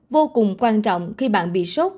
vô cùng quan trọng khi bạn bị sốt